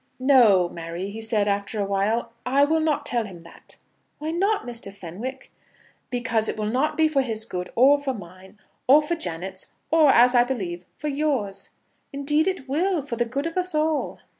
"No, Mary," he said, after a while; "I will not tell him that." "Why not, Mr. Fenwick?" "Because it will not be for his good, or for mine, or for Janet's, or, as I believe, for yours." "Indeed, it will, for the good of us all."